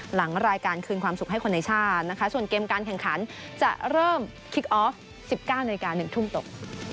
หลังรายการคืนความสุขให้คนในชาตินะคะส่วนเกมการแข่งขันจะเริ่มคิกออฟ๑๙นาฬิกา๑ทุ่มตก